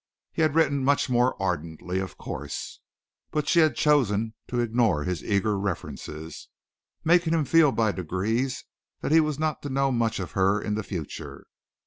He had written much more ardently, of course, but she had chosen to ignore his eager references, making him feel by degrees that he was not to know much of her in the future.